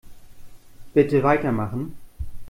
Bitte weitermachen.